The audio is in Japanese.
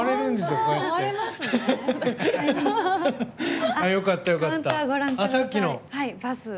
よかった、よかった。